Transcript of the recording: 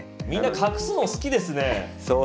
みんな隠すの好きですね。